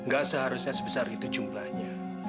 gak seharusnya sebesar itu jumlahnya